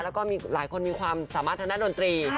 แล้วก็มีหลายคนมีความสามารถทางด้านดนตรี